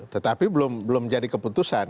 tetapi belum jadi keputusan